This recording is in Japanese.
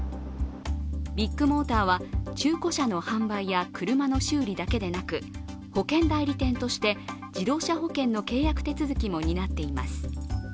ビッグモーターは中古車の販売や車の修理だけでなく保険代理店として自動車保険の契約手続きも担っています。